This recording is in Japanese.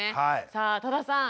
さあ多田さん